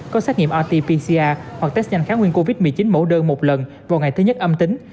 có xét nghiệm rt pcr hoặc test nhanh kháng nguyên covid một mươi chín mẫu đơn một lần vào ngày thứ nhất âm tính